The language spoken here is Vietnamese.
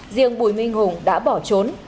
riêng bùi minh hùng đã bỏ trốn